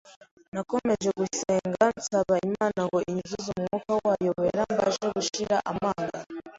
Nakomeje gussenga nsaba Imana ngo inyuzuze Umwuka wayo Wera mbashe gushira amanga